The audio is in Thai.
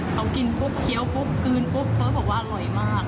เขากินปุ๊บเคี้ยวปุ๊บกลืนปุ๊บเขาบอกว่าอร่อยมาก